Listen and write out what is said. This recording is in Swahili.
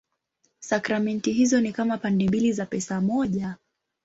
Sakramenti hizo ni kama pande mbili za pesa moja.